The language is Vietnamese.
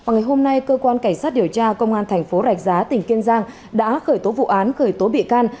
ngày hôm nay cơ quan cảnh sát điều tra công an thành phố rạch giá tỉnh kiên giang đã khởi tố vụ án khởi tố bị can